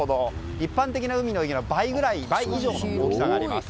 一般的な海の家の倍以上の大きさがあります。